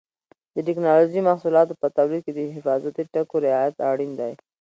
د ټېکنالوجۍ محصولاتو په تولید کې د حفاظتي ټکو رعایت اړین دی.